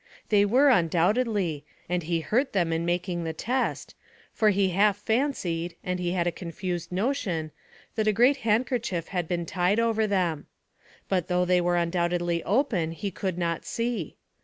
They were undoubtedly, and he hurt them in making the test, for he half fancied, and he had a confused notion, that a great handkerchief had been tied over them. But though they were undoubtedly open he could not see.